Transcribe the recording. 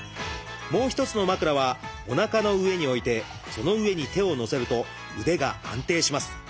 もう１つの枕はおなかのうえに置いてその上に手をのせると腕が安定します。